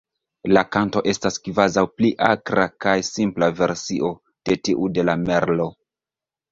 La kanto estas kvazaŭ pli akra kaj simpla versio de tiu de la Merlo.